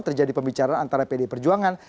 terjadi pembicaraan antara pdi perjuangan